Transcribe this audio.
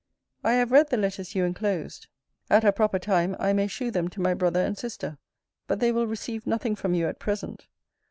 I have read the letters you enclosed. At a proper time, I may shew them to my brother and sister: but they will receive nothing from you at present.